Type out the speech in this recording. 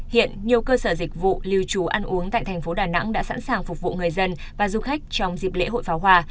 hiện nhiều cơ sở dịch vụ lưu trú ăn uống tại thành phố đà nẵng đã sẵn sàng phục vụ người dân và du khách trong dịp lễ hội pháo hoa